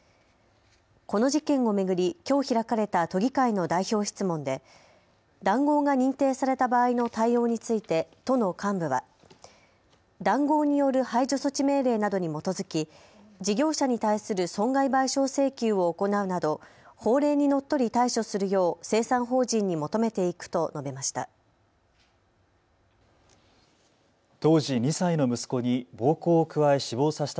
この事件を巡りきょう開かれた都議会の代表質問で談合が認定された場合の対応について都の幹部は談合による排除措置命令などに基づき事業者に対する損害賠償請求を行うなど法令にのっとり対処するよう清算法人に求めていくと述べました。